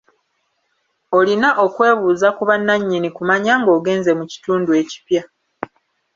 Olina okwebuuza ku bannannyini kumanya ng'ogenze mu kitundu ekipya.